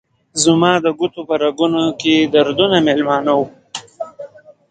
زما د ګوتو په رګونو کې دردونه میلمانه وه